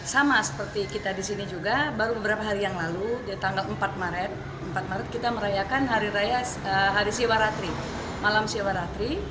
sama seperti kita di sini juga baru beberapa hari yang lalu di tanggal empat maret kita merayakan hari siwaratri malam siwaratri